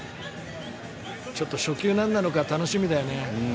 ちょっと初球なんなのか楽しみだよね。